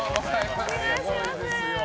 すごいですよ。